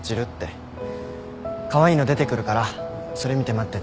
カワイイの出てくるからそれ見て待ってて。